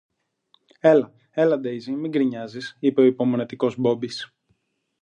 Έλα, έλα Ντέιζη, μη γρινιάζεις, είπε ο υπομονετικός Μπόμπης